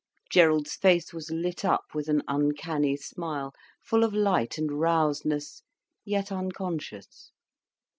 Gerald's face was lit up with an uncanny smile, full of light and rousedness, yet unconscious.